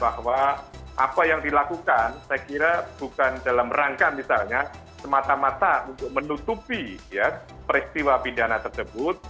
bahwa apa yang dilakukan saya kira bukan dalam rangka misalnya semata mata untuk menutupi peristiwa pidana tersebut